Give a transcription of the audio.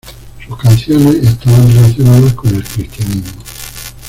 Sus canciones están relacionadas con el Cristianismo.